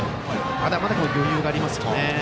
まだまだ余裕がありますよね。